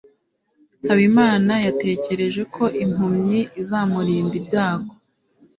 habimana yatekereje ko impumyi izamurinda ibyago